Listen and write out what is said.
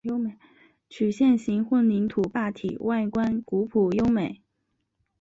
曲线形混凝土坝体外观古朴优美。